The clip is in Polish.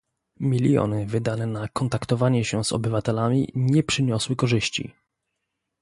Miliony wydane na kontaktowanie się z obywatelami nie przyniosły korzyści